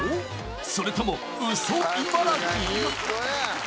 それともウソ茨城？